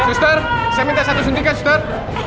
suster saya minta satu suntikan suster